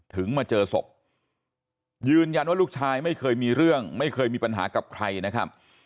มาเจอศพยืนยันว่าลูกชายไม่เคยมีเรื่องไม่เคยมีปัญหากับใครนะครับ